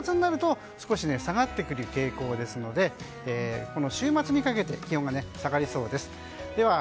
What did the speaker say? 特に週末になると少し下がってくる傾向ですので週末にかけて気温が下がりそうです。